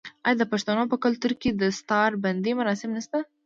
آیا د پښتنو په کلتور کې د دستار بندی مراسم نشته؟